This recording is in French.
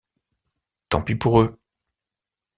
Tant pis pour eux.